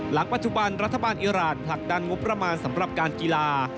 หลังปัจจุบันรัฐบาลอิราณผลักดันงบประมาณสำหรับการกีฬา